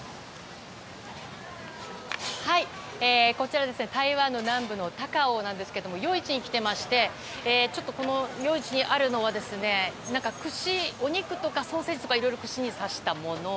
こちら台湾の南部の高雄なんですが夜市に来ていましてちょっと、夜市にあるのはお肉とかソーセージとかいろいろ串に刺したもの。